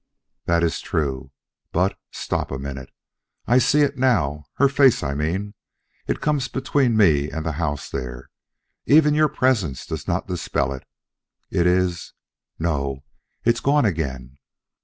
"That is true; but stop a minute. I see it now her face, I mean. It comes between me and the house there. Even your presence does not dispel it. It is no, it's gone again.